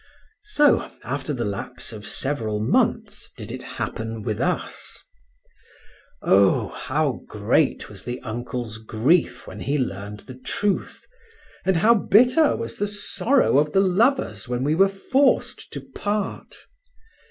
So, after the lapse of several months, did it happen with us. Oh, how great was the uncle's grief when he learned the truth, and how bitter was the sorrow of the lovers when we were forced to part!